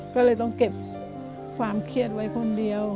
ก็เลยต้องเก็บความเครียดไว้คนเดียว